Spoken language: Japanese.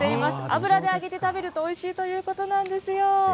油で揚げて食べるとおいしいということなんですよ。